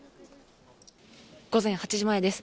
午前８時前です。